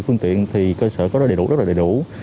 phương tiện thì cơ sở có đầy đủ rất là đầy đủ